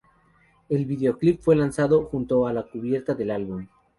El videoclip fue lanzado junto a la cubierta del álbum.